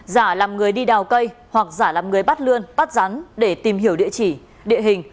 giả làm người đi đào cây hoặc giả làm người bắt lươn bắt rắn để tìm hiểu địa chỉ địa hình